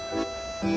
ya kenapa tidak